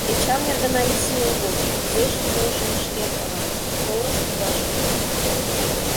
Эчан эргына изи огыл, кузежым-можым шке пала, торыш пураш ок тӱҥал.